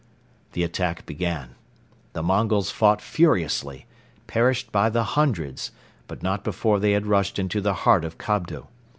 The attack began. The Mongols fought furiously, perished by the hundreds but not before they had rushed into the heart of Kobdo.